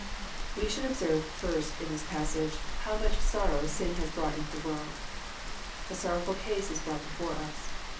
We should observe, first, in this passage, Tiow much sorrow sin has brought into the world. A sorrowful case is brought before us.